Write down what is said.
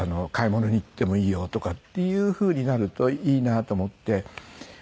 買い物に行ってもいいよとかっていうふうになるといいなと思って。